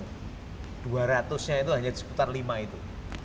dua ratus nya itu hanya seputar lima itu